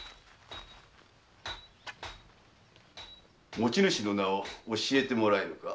持ち主の名を教えてもらえぬか？